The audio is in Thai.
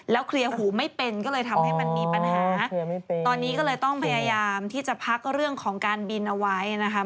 เคลียร์หูไม่เป็นก็เลยทำให้มันมีปัญหาตอนนี้ก็เลยต้องพยายามที่จะพักเรื่องของการบินเอาไว้นะคะ